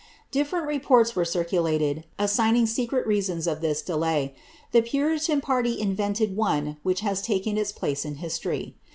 * Difierent reports were circulated, assigning secret reasons of this delay ; the puri tan party invented one which has taken its place in history.